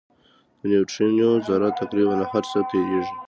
د نیوټرینو ذره تقریباً له هر څه تېرېږي.